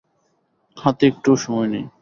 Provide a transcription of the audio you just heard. হাতে একটুও সময় নেই!